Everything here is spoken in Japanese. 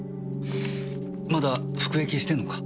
まだ服役してんのか？